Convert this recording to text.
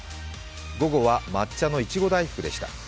午後は抹茶の苺大福でした。